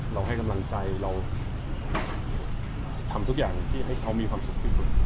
เราให้กำลังใจเราทำทุกอย่างที่ให้เขามีความสุขที่สุด